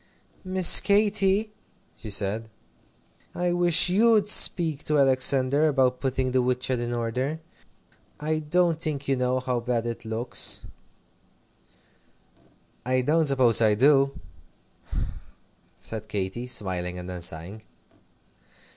"Miss Katy," she said, "I wish you'd speak to Alexander about putting the woodshed in order. I don't think you know how bad it looks." "I don't suppose I do," said Katy, smiling, and then sighing.